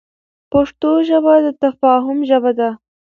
پښتو ژبه د تفاهم ژبه ده.